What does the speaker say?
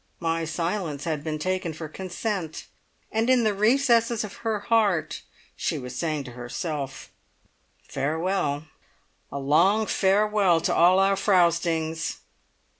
My silence had been taken for consent, and in the recesses of her heart she was saying to herself, "Farewell! a long farewell to all our frowstings!"